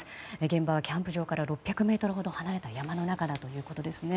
現場はキャンプ場から６００ｍほど離れた山の中だということですね。